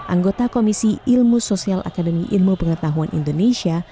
anggota komisi ilmu sosial akademi ilmu pengetahuan indonesia